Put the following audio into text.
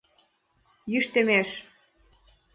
Йӱштемеш.